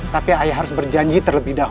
tapi ayah harus berjanji terlebih dahulu